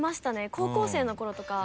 高校生のころとか。